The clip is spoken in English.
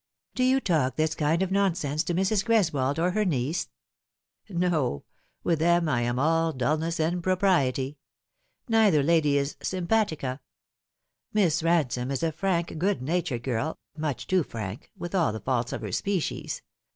" Do yon talk this kind of nonsense to Mrs. Greswold or her niece ?"" No ; with them I am all dulness and propriety. Neither lady is eimpatica. Miss Bansome is a frank, good natured girl much too frank with all the faults of her species.